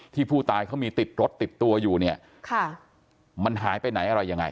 ผู้ตายเขามีติดรถติดตัวอยู่เนี่ยค่ะมันหายไปไหนอะไรยังไง